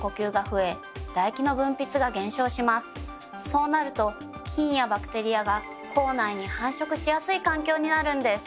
そうなると菌やバクテリアが口内に繁殖しやすい環境になるんです。